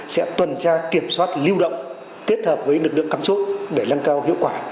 sẽ tuần tra kiểm soát lưu động kết hợp với lực lượng cắm chốt để lăng cao hiệu quả